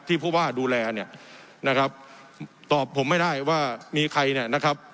ผู้ว่าดูแลเนี่ยนะครับตอบผมไม่ได้ว่ามีใครเนี่ยนะครับ